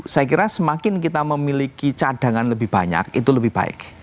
saya kira semakin kita memiliki cadangan lebih banyak itu lebih baik